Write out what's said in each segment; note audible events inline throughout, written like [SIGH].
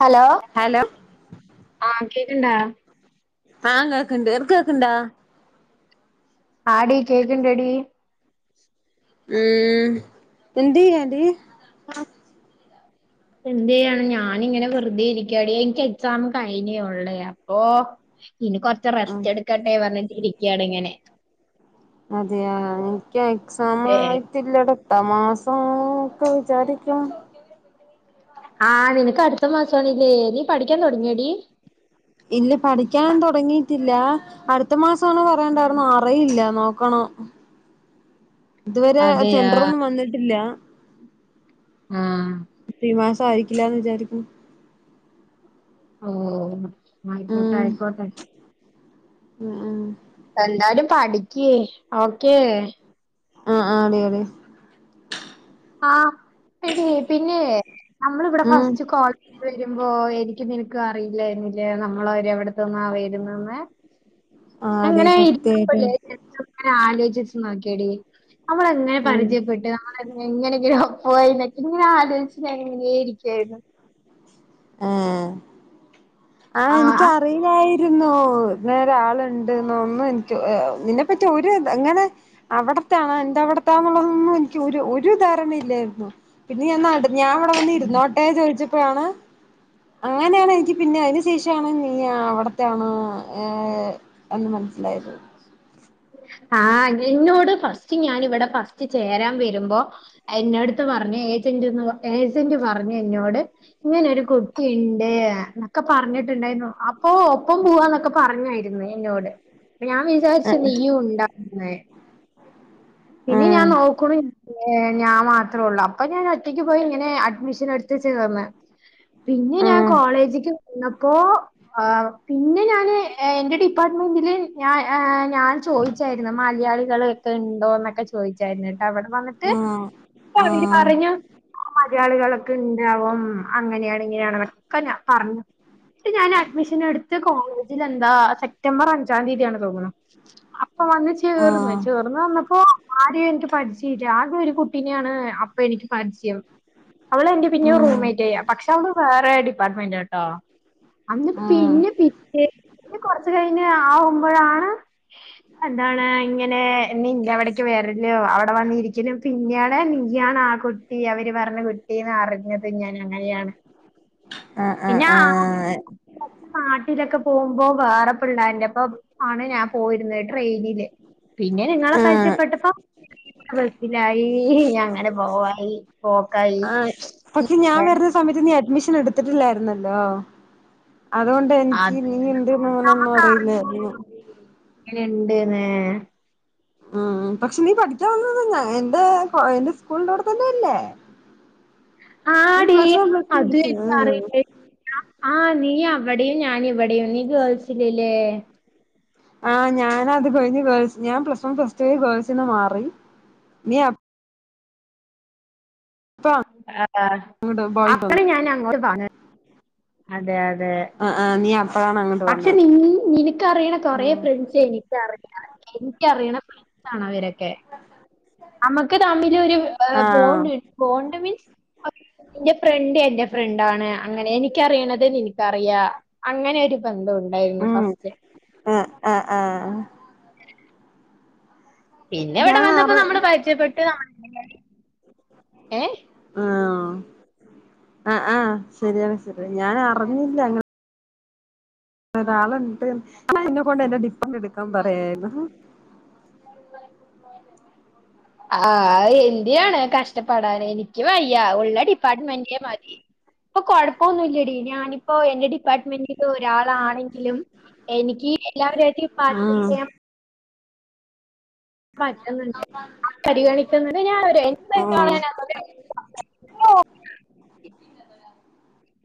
Hello hello ആ കേക്കണ്‌ണ്ട ആഹ് കേൾക്ക്ണ്ട് എൻക്ക് കേൾക്ക്ണ്ടാ ആടി കേക്കൺണ്ടടി ഉം എന്ത് ചെയ്യാണ്ടി ആ [INAUDIBLE] എന്ത് ചെയ്യാണ് ഞാനിങ്ങനെ വെറുതെ ഇരിക്കാടി എനിക്ക് എക്സാം കഴിഞ്ഞേയുള്ളേ അപ്പൊ ഇനി കൊറച്ച് ആഹ് റസ്റ്റ് എടുക്കട്ടെ പറഞ്ഞിട്ട് ഇരിക്കുകയാണ് ഇങ്ങനെ അതെയാ എനിക്ക് എക്സാം ഏഹ് ആയിട്ടില്ലട തമാസ ഒക്കെ വിചാരിക്കാം ആ നിനക്ക് അടുത്ത മാസണല്ലേ നീ പഠിക്കാൻ തുടങ്ങിയടി ഇല്ല പഠിക്കാൻ തുടങ്ങിട്ടില്ല അടുത്ത മാസണന്ന് പറയുന്നുണ്ടാരുന്നു അറിയില്ല നോ നോക്കണം ഇതുവരെ അതെയാ സെന്ററൊന്നും വന്നിട്ടില്ല ആഹ് സായിരിക്കില്ലന്ന് വിചാരിക്കുന്നു ഓ ആയിക്കോട്ടെ ആയിക്കോട്ടെ ആ ആ എന്തായാലും പഠിക്ക് ഓക്കേ ആ ആ അതെ അതെ ആ എടി പിന്നെ നമ്മളിവിടെ ഉം ഫസ്റ്റ് കോളേജിൽ വരുമ്പോ എനിക്ക് നിനക്കും അറിയില്ലായിരുന്നില്ലേ നമ്മളും അവര് എവിടത്തന്നാ വരുന്നന്ന് ആടി അങ്ങനെ സത്യായിട്ട് ഇരിപ്പല്ലേ ഇങ്ങനെ ആലോചി നോക്കിയെടി നമ്മള് എന്നേ ഉം പരിചയപ്പെട്ട് നമ്മള് എങ്ങനെങ്കന പോയിന്ന് ഇങ്ങനെ ആദരിച്ച എങ്ങങ്ങനെയ ഇരിക്കായിരുന്നു ആ ആ എനിക്ക അറിയിലായിരുന്നു ഇങ്ങനൊരാളുണ്ട് ഒന്ന് ഒന്നും എനിക്ക് നിന്നെപ്പറ്റി ഒരു എങ്ങനെ അവിടത്തണോ എന്താ അവിടത്താന്നുള്ളതൊന്നും എനിക്ക് ഒരു ഒരു ധാരണ ഇല്ലായിരുന്നു പിന്നെ ഞാൻ നട് ഞാൻ അവിടെ വന്ന് ഇരുന്നോട്ടെ ചോദിച്ച പ്പഴാണ് അങ്ങനെയാണ് എനിക്ക് പിന്നെ അയിന് ശേഷാണ് നീ അവിടത്തെയണ് അന്ന് മനസ്സിലായത് ആ എന്നോട് ഫസ്റ്റ് ഞാനിവിടെ ഫസ്റ്റ് ചേരാൻ വരുമ്പോ എന്നടുത്ത് പറഞ്ഞ് എ ഏജന്റ് പറഞ്ഞു എന്നോട് ഇങ്ങനെ ഒരു കുട്ടിണ്ട് എന്നൊക്കെ പറഞ്ഞിട്ടുണ്ട കുന്നും അപ്പോ ഒപ്പം പോവാന്നൊക്കെ പറഞ്ഞായി എന്നോട് അപ്പ ഞാൻ വിചാരിച്ച് ആഹ് നീയും ഉണ്ടാവുന്ന് പിന്നെ ഞാൻ നോക്കുണു ഏ ഞാൻ മാത്രേള്ളു അപ്പൊ ഞാൻ ഒറ്റയ്ക്ക് പോയി ഇങ്ങനെ അഡ്മിഷൻ എടുത്ത് ചേർന്ന് പിന്നെ ഞാൻ ആഹ് കോളേജ്ക്ക് ചെന്നപ്പോ ആ പിന്നെ ഞാന് എന്റെ ഡിപ്പാർട്ട്മെന്റില് ഞാൻ ഞാൻ ചോദിച്ചായിരുന്നു മലയാളികളൊക്കെ ഉണ്ടോ എന്നൊക്കെ ചോദിച്ചായിരുന്ന് വിടെ വന്നിട്ട് ആഹ് അവര് ആഹ് പറഞ്ഞു മയാളികളൊക്കെ ഇണ്ടാവും അങ്ങനെയാണ് ഇങ്ങനെയാണന്നൊക്കെ ഞാ പറഞ്ഞു ഞാൻ അഡ്മിഷൻ എടുത്ത കോളേജിൽ എന്താ സെപ്റ്റംബർ അഞ്ചാം തീയതിയാണ് തോന്നുണു അ അപ്പൊ വന്ന് ആഹ് ചേർന്ന് ആഹ് ചേർന്ന് വന്നപ്പോ ആരെയും എനിക്ക് പരിചയില്ല ആദ്യം ഒരു കുട്ടീനെയാണ് അപ്പ എനിക്ക് പരിചയം അവള് എന്റെ പിന്നെ ഉം ആഹ് റൂംമേറ്റായി പക്ഷെ അവള് വേറെ ഡിപ്പാർട്ട്മെന്റാട്ടോ അന്ന് പിന്നെ പിറ്റേ കൊറച്ച് കഴിഞ്ഞ് ആവുമ്പോഴാണ് എന്താണ് ഇങ്ങനെ നിൻ്റവിടേക്ക് വരല്ലോ അവിടെ വന്നിരിക്കലൊക്കെ നീയാണ് നീ ആ കുട്ടി അവര് പറഞ്ഞ കുട്ടിന്ന് അറിഞ്ഞത് ഞാൻ അങ്ങനെയാണ് ആ ആ ആ നാട്ടിലൊക്കെ പോവുമ്പോ വേറെ പിള്ളാരിന്റെപ്പൊ ആണ് ഞാൻ പോയിരുന്ന ട്രെയിനില് പിന്നെ നിങ്ങളെ ആഹ് പരിചപ്പെട്ടപ്പോ ബസിലായി അങ്ങനെ പോവായി പോക്കായി ആ പക്ഷെ ഞാൻ വരുന്ന സമയത്ത് നീ അഡ്മിഷൻ എടുത്തിട്ടില്ലായിരുന്നല്ലോ അതുകൊണ്ട് എനിക്ക് അത് നീ എന്തന്ന് അങ്ങനൊന്നും അറിയില്ലായിരുന്നു ഇണ്ട്ന്നെ ഉം പക്ഷെ നീ പഠിക്കാൻ വന്ന ഞ എൻ്റെ എൻ്റെ സ്കൂളിന്റെ അവിടെ തന്നെയല്ലേ ആടീ അതും എടുത്തേ എനിക്ക് ഉം അറിയില്ല [UNINTELLIGIBLE] ആഹ് നീ അവിടെയും ഞാൻ ഇവിടെയും നീ ഗേൾസിലല്ലേ ആ ഞാനത് കഴിഞ്ഞ് ഗേൾസ് ഞാൻ പ്ലസ് വൺ പ്ലസ്ടു ഗേൾസിന്ന് മാറി നീ അ ആ അങ്ങോട്ട് ബോയ്സ് അപ്പ വന്നു ഞാൻ അങ്ങോട്ട് വ അതെ അതെ ആ ആ നീ അപ്പഴാണ് അങ്ങോട്ട് പക്ഷെ വന്നത് നി നിനക്കറിയണ കൊറെ ഉം ഫ്രണ്ട്സ് എനിക്കറി എനിക്കറിയണ ഫ്രണ്ട്സാണ് അവരൊക്കെ നമുക്ക് തമ്മില് ഒരു ആ ബോണ്ട് ബോണ്ട് മീൻസ് എന്റെ ഫ്രണ്ട് എൻ്റെ ഫ്രണ്ടാണ് അങ്ങനെ എനി അറിയണത് എനിക്കറിയാ അങ്ങനെ ഒരു ബന്ധം ഉണ്ടായിരുന്നു ഉം ഫസ്റ്റ് ആ ആ പിന്നെ ഇവിടെ ഞാൻ വന്നപ്പോ അറി നമ്മള് പരിചയപ്പെട്ട് ഏ ആ ആ ആ ശരിയാണ് ശരി ഞാൻ അറിഞ്ഞില്ല അങ്ങനെ ഒരാള് ഇണ്ട് [INAUDIBLE] കൊണ്ട് എന്റെ ഡിഫൺ എടുക്കാൻ പറയാരുന്നു ആ എന്യാണ് കഷ്ടപ്പാടാണ് എനിക്ക് വയ്യ ഉള്ള ഡിപ്പാർട്ട്മെന്റെ മതി ഇപ്പൊ കൊഴപ്പൊന്നുല്ലടി ഞാനിപ്പോ എന്റെ ഡിപ്പാർട്ട്മെന്റി ഒരാളാണെങ്കിലും എനിക്ക് എല്ലാവരാട്ടും ഉം പാം പറ്റുന്നുണ്ട് പരിഗണിക്കുന്നുണ്ട് ഞാൻ എ ഉം [INAUDIBLE] [INAUDIBLE] [INAUDIBLE]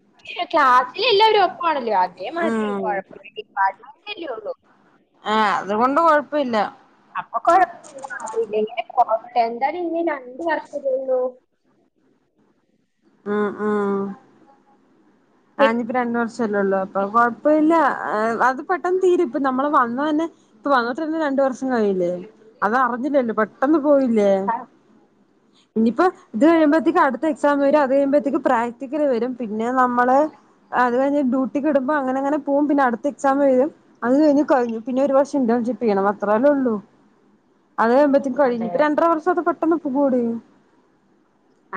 ക്ലാസ്സിലെ എല്ലാരും ഒപ്പാണല്ലോ അതേ മതി ഉം കൊഴപ്പില്ല ഡിപ്പാർ്മെന്റ് അല്ലേ ഒള്ളു [INAUDIBLE] ആഹ അതുകൊണ്ട് കൊഴപ്പില്ല അപ്പൊ കൊഴ ഇങ്ങനെ പോട്ടെ എന്തായാലും ഇനി രണ്ട് വർഷല്ലേ ഉള്ളൂ [INAUDIBLE] ഉം ഉം ആ ഇനീപ്പോ രണ്ടു വർഷല്ലേ ഒള്ളൂ അപ്പൊ കൊഴപ്പമില്ല അത് പെട്ടെന്ന് തീരും ഇപ്പൊ നമ്മള് വന്ന തന്നെ ഇപ്പൊ വന്നിട്ട്ന്നെ രണ്ടു വർഷം കഴിഞ്ഞില്ലേ അതറിഞ്ഞില്ലല്ലോ പെട്ടന്ന് പോയില്ലേ [INAUDIBLE] ഇനിയിപ്പോ ഇത് കഴിയുമ്പോഴ്ത്തേക്കും അടുത്ത എക്സാം വരും അത് കഴിയുമ്പോഴത്തേക്കും പ്രാക്ടിക്കല് വരും പിന്നെ നമ്മള് അത് കഴിഞ് ഡ്യൂട്ടിക്കിടുമ്പോ അങ്ങനെ അങ്ങനെ പോവും പിന്നെ അടുത്ത എക്സാം എഴുതും അത് കിഴിഞ്ഞു പിന്നെ ഒരു ഇന്റേൺഷിപ് പ്പ് ചെയ്യണം അത്രല്ലേ ഒള്ളു അത് കഴിമ്പത്തേക്കും കഴിഞ്ഞു അതെ ഇപ്പ രണ്ടര വർഷം അത് പെട്ടെന്ന് പോവൂടി [INAUDIBLE]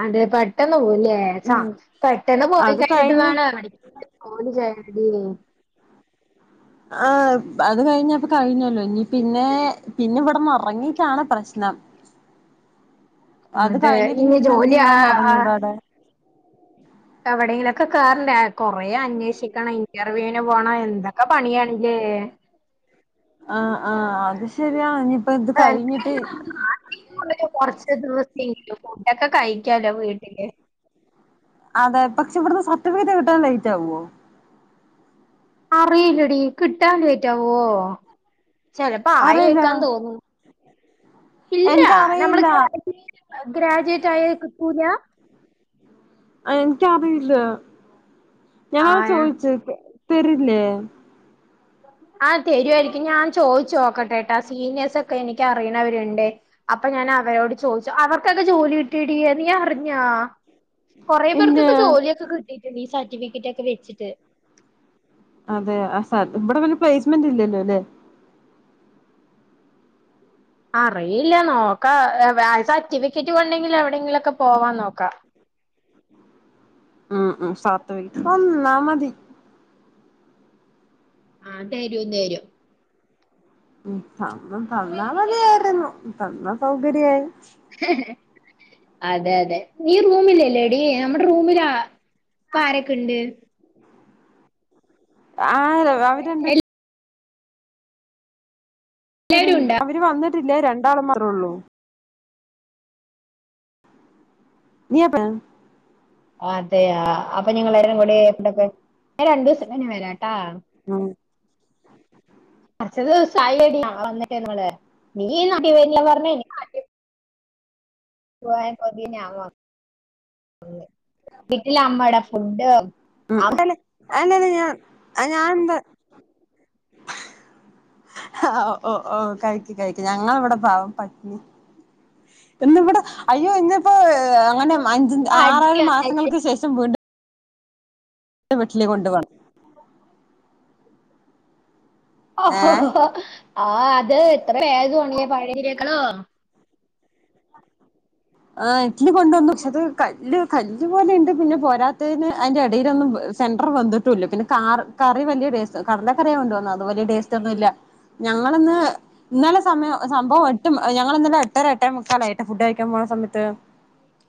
അതെ പെട്ടെന്ന് ന്ന് പോവുലെ സാ പെട്ടെന്ന് പോയി അത് കഴിഞ്ഞിട്ട് കഴിഞ്ഞ് വേണം ജോലി ചെയ്യാൻ ഇല്ലേ ആ അത് കഴിഞ്ഞപ്പ കഴിഞ്ഞല്ലോ ഇനി പിന്നെ പിന്നെ ഇവിടന്ന് എറങ്ങിട്ടാണ് പ്രശ്നം അത് അതെ കഴിഞ്ഞിട്ട് പിന്നെ ഇനി ഇതിനു എന്ത് ജോലി ആ ചെയ്യണെന്ന് അറിഞ്ഞുടടെ എവിടെങ്കിലൊക്കെ കേറണ്ടെ കൊറേ അന്വേഷി ഷിക്കണം ഇന്റർവ്യൂവിന് പോണം എന്തൊക്കെ പണിയാണല്ലെ ആഹ ആഹ അത് ശരിയാ ഇനി ആ അന്ക്ക് [UNINTELLIGIBLE] കൊറച്ച് ദിവസെയിരിക്കും ഫുഡ്‌ഒക്കെ കഴിക്കാലോ വീട്ടില് അതെ പക്ഷെ ഇവിടുന്ന് സർട്ടിഫിക്കറ്റ് കിട്ടാൻ ലേറ്റ് ആവോ അറിയില്ലടീ കിട്ടാൻ ലേറ്റാവോ ചെലപ്പോ അറിയില്ല ആയെക്കാൻ തോന്നുന്നു ഇല്ല നമ്മള് എനിക്കറിയില്ല ഗ്രാജു ഗ്രാജുവേറ്റ് ആയ കിട്ടൂല എനിക്കറിയില്ല ആ ഞാനതാ ചോയിചെ തരില്ലേ ആഹ് തരുവായിരിക്കും ഞാൻ ചോയിച്ചു നോക്കട്ടെട്ടൊ സീനിയെ ഴ്സൊക്കെ എനിക്ക് അറിയണവരുണ്ട് അപ്പൊ ഞാൻ അവരോട് ചോയി അവർക്കൊക്കെ ജോലി കിട്ടീടി അത് നി അറിഞ്ഞാ കൊറെ ഇല്ല പേർക്കൊക്കെ ജോലിയൊക്കെ കിട്ടിട്ടുണ്ട് ഈ സർട്ടിഫിക്കറ്റ് ഒക്കെ വെച്ചിട്ട് അതെ ആ സാ ഇവിടെ പിന്നെ പ്ലേസ്മെന്റ് ഇല്ലല്ലോല്ലെ അറിയില്ല നോക്കാ സർട്ടിഫിക്കറ്റ് കൊണ്ടെങ്കിൽ എവിടെങ്കിലുംക്കെ പോവാൻ നോക്കാ [UNINTELLIGIBLE] ഉം ഉം സർട്ടിഫിക്കറ്റ് തന്നാമതി ഉം തരു തരും ഉം തന്ന തന്നാൽ മതിയായിരുന്നു തന്ന സൗകര്യായി അതെ അതെ നീ റൂമിലല്ലേ ല്ലെടി അമ്മടെ റൂമില പാരൊക്കെ ഇണ്ട് ആ അവരുണ്ട് എല്ലാരും ഉണ്ടാ അവര് വന്നിട്ടില്ലേ രണ്ടാളമാരേള്ളൂ നിയപ്പ അതെയ അപ്പൊ ഞങളെല്ലാരും കൂടെ എപ്പടൊക്കെ ഞാൻ രണ്ടുസം കഴിഞ്ഞ് വരാട്ടാ ഉം കൊറച് ദിവസ ആയില്ലെടി [UNINTELLIGIBLE] ഞങ വന്നിട്ട് ഞങ്ങള് നീ നാട്ടി വരില്ല പറഞ് എനിക്ക് നാട്ടിൽ പോവാൻ കൊതിയന്നെ ആവ വീട്ടിലഅമ്മടെ ഫുഡ് അ അല്ലാതെ ഞാൻ അത് ഞാൻ എന്താ ഓ ഓ കഴിക്കു കഴിക്ക് ഞങ്ങളവിടെ പാവം പട്ടിണി ഇന്നിവിടെ അയ്യോ ഇന്നിപ്പോ അങ്ങനെ അഞ്ച് ആറേഴ് മാസങ്ങൾക്ക് ശേഷം വീണ്ടും എന്റെ വീട്ടില് കൊണ്ടോവാണ് ആ അതെ ഇത്ര [UNINTELLIGIBLE] ആ ഇഡലി കൊണ്ടന്നു പക്ഷെ അത് കല്ല് കല്ല് പോലെ ഉണ്ട് പിന്നെ പോരാത്തതിന് അതിന്റെ ഇടയിലൊന്നും സെന്റർ വെന്തട്ടൂല്ല്യ പിന്നെ കാറ് കറി വലിയടേസ്റ്റ് കടലക്കറിയ കൊണ്ട്‌ വന്ന അത് വലിയ ടേസ്റ്റ് ഒന്നുംല്ല ഞങ്ങളിന്ന് ഇന്നലെ സമയം സംഭവം എട്ട് ഞങ്ങൾ ഇന്നലെ എട്ടര എട്ടേ മുക്കാലായി ഫുഡ് കയ്ക്കാൻ പോവ്ണ സമയത്ത്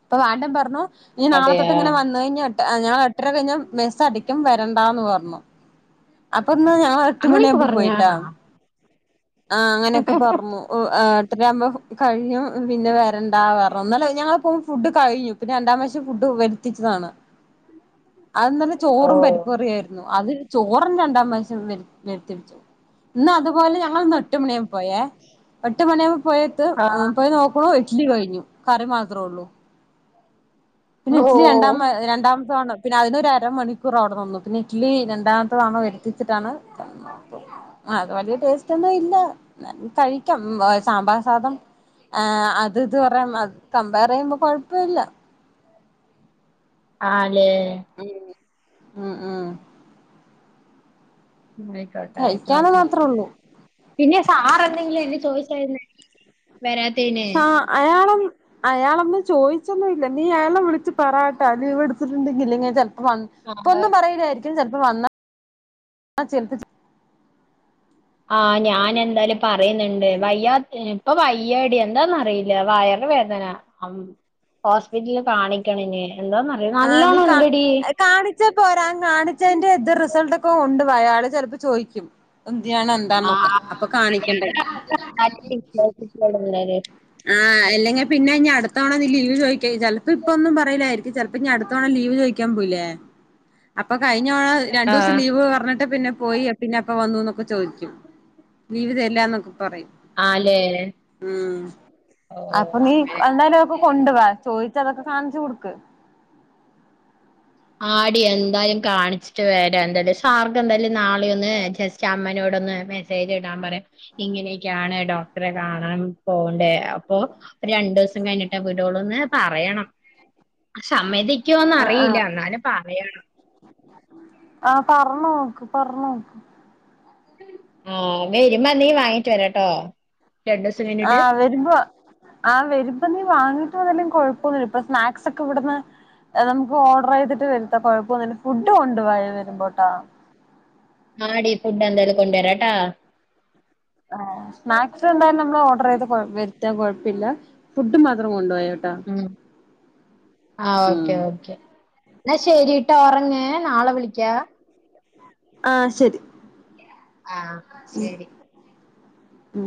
അപ്പൊ വാടൻ പറഞ്ഞു ഇനി നാളെ തൊട്ടിങ്ങനെ വന്നഴിഞ്ഞാട്ട ഞാൻ എട്ടര കഴിഞ്ഞ മെസ് അടക്കും വരണ്ടാ ന്ന് പറഞ്ഞു. അപ്പൊന്നാ ഞാൻ എട്ട് മണിയാകുമ്പോ പോയിട്ടാ. ആ അങ്ങനെയൊക്കെ പറഞ്ഞു എട്ടരയാവുമ്പോ കഴിയും പിന്നെ വരണ്ട [UNINTELLIGIBLE] ഞങ്ങളെപ്പോളും ഫുഡ് കഴിയും പിന്നെ രണ്ടാം പ്രാവശ്യം ഫുഡ് വരുത്തിച്ചതാണ് അത് നല്ല ഓ ചോറും പരിപ്പറിയായിരുന്നു അതൊരു ചോ റും രണ്ടാം പ്രാവശ്യം വരുത്തിപ്പിച്ചു ഇന്ന് അതുപോലെ ഞങ്ങൾന്ന് എട്ട് മണിയായപ്പോ പോയേ എട്ട് മണിയാവുമ്പ പോയത്ത് ആഹ് പോയി നോക്കണൂ ഇഡ്ലി കഴിഞ്ഞു കറി മാത്രോള്ളൂ. പിന്നെ ഓ ഇച്ചിരി രണ്ടാമ രണ്ടാം [UNINTELLIGIBLE] പിന്നെ അതിനൊരര മണിക്കൂർ അവിടെ നിന്നു പിന്നെ ഇഡ്ലി രണ്ടാമത്തെ തവണ വരുത്തിച്ചിട്ടാണ് അത് വലിയ ടേസ്റ്റ് ഒന്നും ഇല്ല കഴിക്കാം സാമ്പാർ സാധം ആഹ് അത് ഇത് കൊറേം കമ്പയർ ചെയ്യുമ്പോ കൊഴപ്പോല്ല ആലേ ഉം ഉം ഉം ആയിക്കോട്ടെ കഴിക്കാന്ന് ആയിക്കോട്ടെ മാത്രേ ഉള്ളൂ പിന്നെ സാർ എന്തെങ്കിലും എന്നെ ചോയിച്ചായിരുന്ന ആ അയാളൊ അയാളൊന്നും ചോയി ചൊന്നുല്ല നീ അയാൾണ വിളിച്ച് പറാട്ട ലീവ് എടുത്തിട്ടുണ്ടെങ്കിൽ ഇനി ചെലപ്പോ വന്ന് ആഹ് ഇപ്പൊന്നും പറയൂലായിരിക്കും ചെലപ്പോ വന്നാ ആ ചെൽപ്പ ആഹ് ഞാൻ എന്തായാലും പറയുന്ന്‌ണ്ട് വയ്യ ഇപ്പൊ വയ്യാടി എന്താന്ന് അറിയില്ല വയർ വേദന ഹോസ്പിറ്റല്ല് കാണിക്കണിനി ആ നീ കാ കാണിച്ച പോരാ കാണിച്ചതിന്റെ ഇത് റിസൾട്ടൊക്കെ ഒണ്ടോ അയാള് ചെലപ്പോ ചോയിക്കും എതിനാണ് എന്താന്നൊക്കെ ആഹ് അപ്പൊ കാണിക്കണ്ടെ ആ അല്ലെങ്കിൽ പിന്നെ ഇനി അടുത്തവണ നീ ലീവ് ചോയിക്കചാല് ചിലപ്പോ ഇപ്പൊന്നും പറയൂലായിരിക്കും ചെൽ അപ്പൊ ഇഞ്ഞട്ത്തവണ ലീവ് ചോയ്ക്കാൻ പോയില്ലേ അപ്പൊ കഴിഞ്ഞവണ രണ്ടൂസം ആഹ് ലീവ് പർഞ്ഞിട്ട് പിന്നെ പോയി പിന്നെ എപ്പൊ വന്നുന്നൊക്കെ ചോയിക്കും ലീവ് തരില്ലാന്നൊക്ക പറയും ആല്ലേ ഉം അപ്പൊ ഓഹ് നീ അങ്ങനെ എന്തായാലും അതൊക്കെ കൊണ്ട്‌ വാ ചോയിച്ച അതൊക്കെ കാണിച്ചു കൊടുക്ക് ആടി എന്തായാലും കാണിച്ചിട്ട് വരാ എന്തായാലും സാർക്ക് എന്തായാലും നാളെയൊന്ന് ജസ്റ്റ് അമ്മനോ ടൊന്ന് മെസ്സേജ് ഇടാൻ പറയാം ഇങ്ങനെയൊക്കെയാണ് ഡോക്ടറെ കാണാൻ പോവണ്ടേ അപ്പൊ ഒരു രണ്ടു ദിവസം കഴിഞ്ഞിട്ടേ വിടൊള്ളൂന്ന് പറയണം സമ്മതിക്കോന്ന് ആഹ് അറിയില്ല ആഹ് എന്നാ അറിയാലോ [UNINTELLIGIBLE] ആ പറഞ്ഞോക്ക് പറഞോക്ക് ആ വരുമ്പന്തീ വാങ്ങീട്ട് വരാട്ടോ രണ്ട് ദിവസം ആ കഴിഞ്ഞിട്ട് വരുമ്പോ ആ വരുമ്പ നീ വാങ്ങീട്ട് വന്നില്ലെങ്കി കൊഴപ്പോന്നുല്ല ഇപ്പൊ സ്നാക്സാെക്കെവ്ട്ന്ന് നമുക്കാേഡെർയ്ത്ട്ട് വര്ത്ത കൊഴ പ്പൊന്നുല്ല ഫുഡ് കൊണ്ട് വായോ വരുമ്പോട്ടാ ആടി ഫുഡ് എന്തായാലും കൊണ്ടരാട്ടാ ആ സ്നാക്സ് എന്തായാലും നമ്മള് ഓർഡർ ചെയ്ത് വരുത്താൻ കൊഴപ്പില്ല ഫുഡ് മാത്രം കൊണ്ടുപോയ ഉം ആ ഓക്കെ ഉം ഓക്കെ എന്നാ ശെരിട്ടോ ഒർങ്ങേ നാളെ വിളി ക്കാ ആഹ് ശരി ആ ശരി ഉം